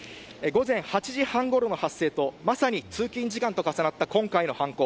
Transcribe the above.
午前８時半ごろの発生とまさに通勤時間と重なった今回の犯行。